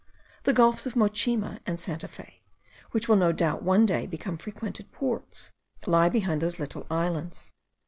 The gulfs of Mochima and Santa Fe, which will no doubt one day become frequented ports, lie behind those little islands.